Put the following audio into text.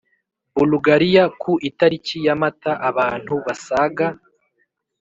Bulugariya Ku itariki ya Mata abantu basaga